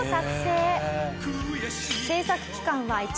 製作期間は１年。